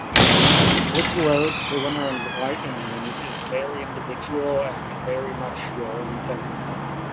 This road to inner enlightenment is very individual and very much your own thing.